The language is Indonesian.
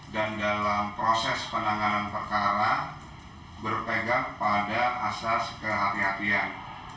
dan dalam proses penanganan perkara berpegang pada asas kehatian kehatian